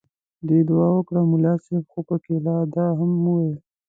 دوی دعا وکړه ملا صاحب خو پکې لا دا هم وویل.